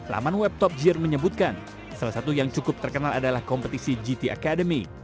laman laptop gear menyebutkan salah satu yang cukup terkenal adalah kompetisi gt academy